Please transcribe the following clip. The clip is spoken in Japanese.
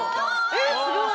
えすごい！